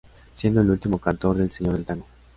Siendo el último cantor del Señor del Tango.